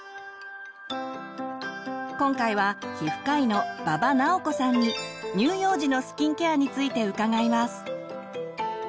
今回は皮膚科医の馬場直子さんに乳幼児のスキンケアについて伺います。